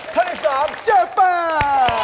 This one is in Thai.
ทันที่สามเจอฟ้า